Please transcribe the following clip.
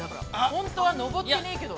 本当は登ってねえけど。